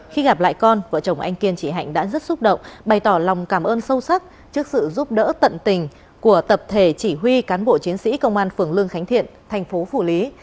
khi gặp lại con vợ chồng anh kiên chị hạnh đã rất xúc động bày tỏ lòng cảm ơn sâu sắc trước sự giúp đỡ tận tình của tập thể chỉ huy cán bộ chiến sĩ công an phường lương khánh thiện thành phố phủ lý